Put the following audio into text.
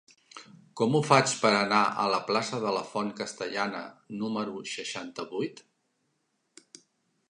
Com ho faig per anar a la plaça de la Font Castellana número seixanta-vuit?